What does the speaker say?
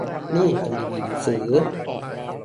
นี่กำลังจะอ่านหนังสือ